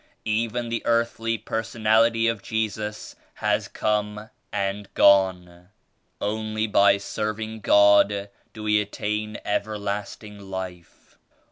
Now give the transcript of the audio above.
Even the earthly personality of Jesus has come and gone. Only by serving God do we attain everlasting Life.